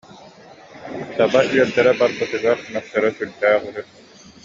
Таба үөрдэрэ барбытыгар мөхсөрө сүрдээх үһү